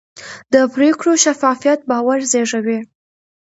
د پرېکړو شفافیت باور زېږوي